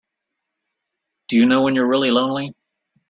Do you know when you're really lonely?